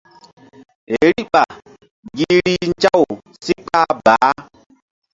Riɓa gi rih nzaw si kpah baah.